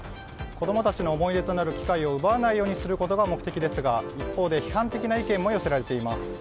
子供たちの思い出となる機会を奪わないようにすることが目的ですが、一方で批判的な意見も寄せられています。